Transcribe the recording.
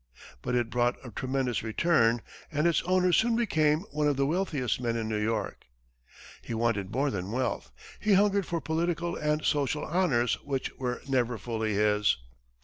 But it brought a tremendous return, and its owner soon became one of the wealthiest men in New York. He wanted more than wealth he hungered for political and social honors which were never fully his.